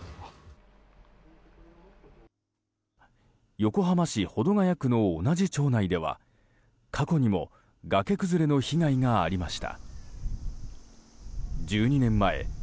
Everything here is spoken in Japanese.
横浜市保土ケ谷区の同じ町内では過去にも崖崩れの被害がありました。